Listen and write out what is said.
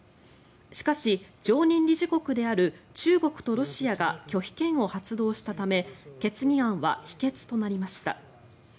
しかし、常任理事国である中国とロシアが拒否権を発動したため決議案は否決となりました。